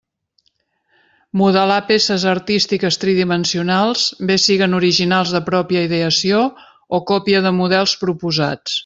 Modelar peces artístiques tridimensionals bé siguen originals de pròpia ideació o còpia de models proposats.